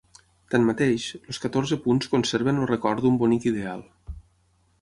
Tanmateix, els Catorze Punts conserven el record d'un bonic ideal.